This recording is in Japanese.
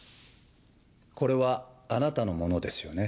これはあなたのものですよね？